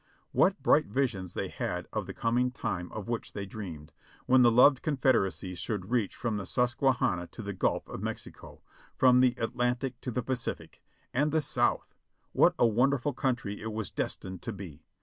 What bright visions they had of the coming time of which they dreamed, when the loved Confederacy should reach from the Susquehanna to the Gulf of Mexico — from the Atlantic to the Pa cific. And the South ! What a wonderful country it was destined to be!